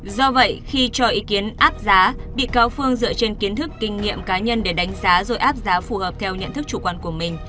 do vậy khi cho ý kiến áp giá bị cáo phương dựa trên kiến thức kinh nghiệm cá nhân để đánh giá rồi áp giá phù hợp theo nhận thức chủ quan của mình